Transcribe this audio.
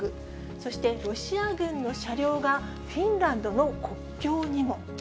そしてロシア軍の車両がフィンランドの国境にも。